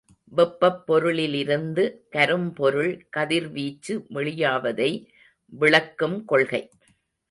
வெப்பப் பொருள்களிலிருந்து கரும்பொருள் கதிர்வீச்சு வெளியாவதை விளக்கும் கொள்கை.